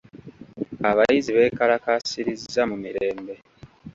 Abayizi beekalakaasirizza mu mirembe.